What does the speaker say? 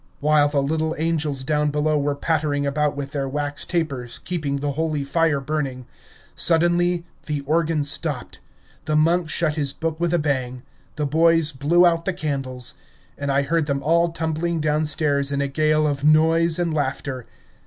While the little angels down below were pattering about with their wax tapers, keeping the holy fire burning, suddenly the organ stopped, the monk shut his book with a bang, the boys blew out the candles, and I heard them all tumbling down stairs in a gale of noise and laughter.